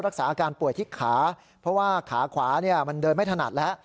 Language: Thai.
รักษาอาการป่วยที่ขาเพราะว่าขาขวามันเดินไม่ถนัดแล้ว